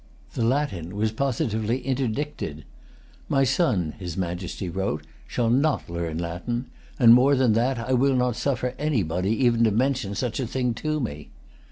The Latin was positively interdicted. "My son," his Majesty wrote, "shall not learn Latin; and, more than that, I will not suffer anybody even to mention such a thing to me."